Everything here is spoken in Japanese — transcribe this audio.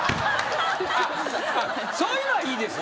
そういうのはいいです。